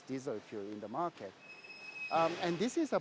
di pasar dan ini adalah masalah